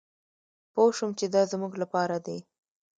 پوه شوم چې دا زمونږ لپاره دي.